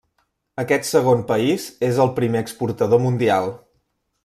Aquest segon país és el primer exportador mundial.